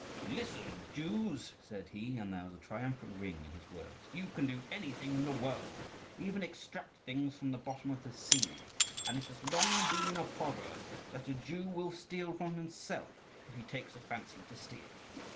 "Listen, Jews!" said he, and there was a triumphant ring in his words. "You can do anything in the world, even extract things from the bottom of the sea; and it has long been a proverb, that a Jew will steal from himself if he takes a fancy to steal.